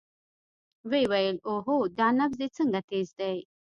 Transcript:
ويې ويل اوهو دا نبض دې څنګه تېز دى.